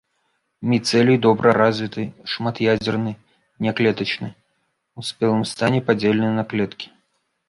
Міцэлій добра развіты, шмат'ядзерны, няклетачны, у спелым стане падзелены на клеткі.